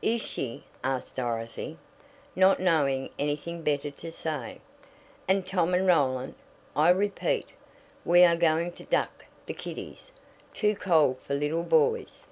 "Is she?" asked Dorothy, not knowing anything better to say. "And Tom and Roland, I repeat. We are going to duck the kiddies. Too cold for little boys."